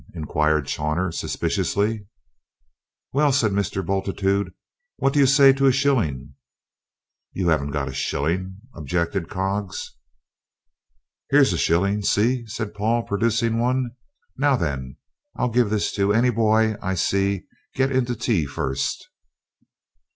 inquired Chawner suspiciously. "Well," said Mr. Bultitude; "what do you say to a shilling?" "You haven't got a shilling," objected Coggs. "Here's a shilling, see," said Paul, producing one. "Now then, I'll give this to any boy I see get into tea first!"